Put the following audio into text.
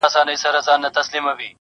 o ځيني يې هنر بولي لوړ,